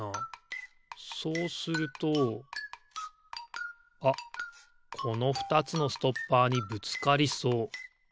そうするとあっこのふたつのストッパーにぶつかりそう。